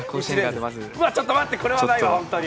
ちょっと待って、これはないわ、ホントに！